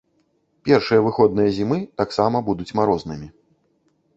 Першыя выходныя зімы таксама будуць марознымі.